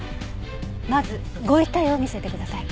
まずご遺体を見せてください。